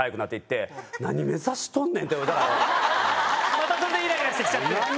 またそれでイライラして来ちゃって。